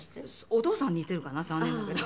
お父さんに似ているかな残念だけど。